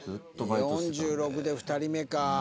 ４６で２人目か。